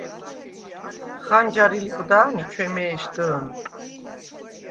ხანჯარი ლიყდა̄ნი ჩვემე̄შდჷ̄ნ.